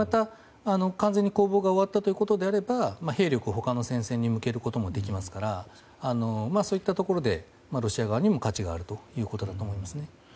完全に攻防が終わったとすれば兵力を他の戦線に向けられますのでそういったところでロシア側にも価値があるということだと思います。